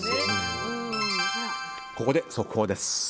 ここで速報です。